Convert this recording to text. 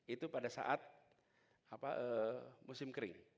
itu pada saat musim kering